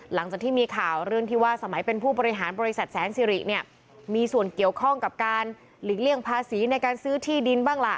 หลังจากที่มีข่าวเรื่องที่ว่าสมัยเป็นผู้บริหารบริษัทแสนสิริเนี่ยมีส่วนเกี่ยวข้องกับการหลีกเลี่ยงภาษีในการซื้อที่ดินบ้างล่ะ